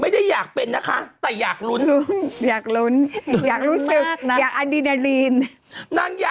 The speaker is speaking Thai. ได้ลุ้นไงเถอะ